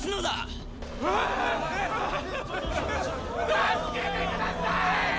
助けてください！！